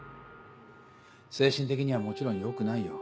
精神的にはもちろんよくないよ。